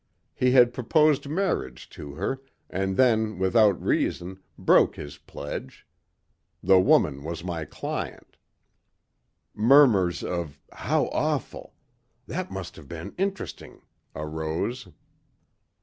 He had proposed marriage to her and then without reason broke his pledge. The woman was my client." Murmurs of "how awful"; "that must have been interesting" arose.